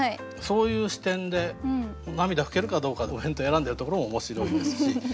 そういう視点で涙拭けるかどうかでお弁当選んでるところも面白いですし。